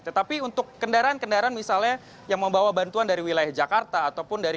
tetapi untuk kendaraan kendaraan misalnya yang membawa bantuan dari wilayah jakarta ataupun dari